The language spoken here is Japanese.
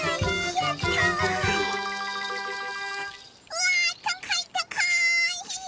うわたかいたかい！